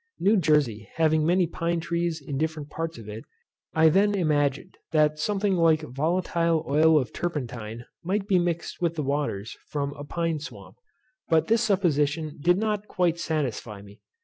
New Jersey having many pine trees in different parts of it, I then imagined that something like a volatile oil of turpentine might be mixed with the waters from a pine swamp, but this supposition did not quite satisfy me.